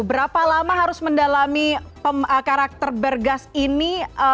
berapa lama harus mendalami karakter bergas ini